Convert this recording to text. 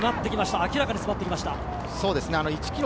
明らかに詰まってきました。